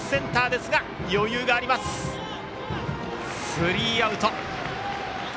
スリーアウト。